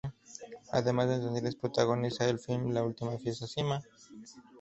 Además, en cines protagoniza el film "La última fiesta".